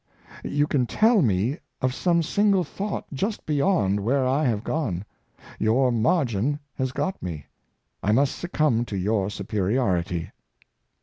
You can tell me of some single thought just beyond where I have gone. Your margin has got me. I must succumb to your superiority.